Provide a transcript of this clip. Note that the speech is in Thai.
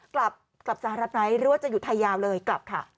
กลับกลับสหรัฐไหมหรือว่าจะอยู่ไทยยาวเลยกลับค่ะ